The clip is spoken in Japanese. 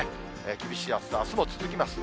厳しい暑さ、あすも続きます。